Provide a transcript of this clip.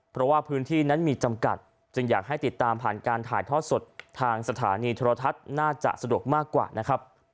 เพราะว่าพื้นที่นั้นมีจำกัดจึงอยากให้ติดตามผ่านการถ่ายทอดสดทางสถานีโทรทัศน์น่าจะสะดวกมากกว่านะครับ